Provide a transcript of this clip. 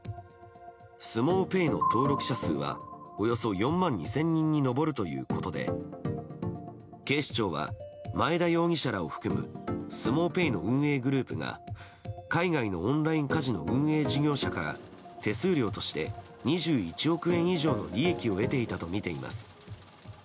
スモウペイの登録者数はおよそ４万２０００人に上るということで警視庁は前田容疑者らを含むスモウペイの運営グループが海外のオンラインカジノ運営事業者から手数料として２１億円以上の利益を得ていたとみています。